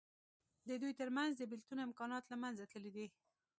د دوی تر منځ د بېلتون امکانات له منځه تللي دي.